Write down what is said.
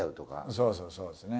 そうそうそうですね。